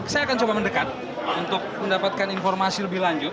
saya akan coba mendekat untuk mendapatkan informasi lebih lanjut